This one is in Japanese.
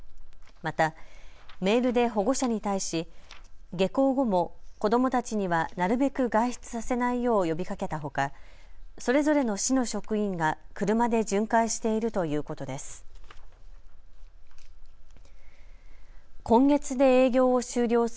またメールで保護者に対し下校後も子どもたちにはなるべく外出させないよう呼びかけたほかそれぞれの市の職員が車で巡回しているということです。